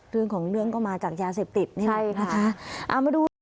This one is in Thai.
เรื่องของเรื่องก็มาจากยาเสพติดใช่ค่ะอ่ามาดู